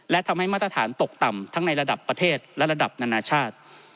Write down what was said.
และทำให้มาตรฐานตกต่ำทั้งในระดับประเทศและระดับนานาชาติ